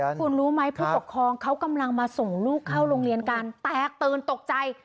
คุณรู้ไหมผู้ปกครองเขากำลังมาส่งลูกเข้าโรงเรียนกันแตกตื่นตกใจ